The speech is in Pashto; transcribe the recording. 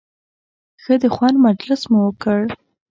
ښه د خوند مجلس مو وکړ.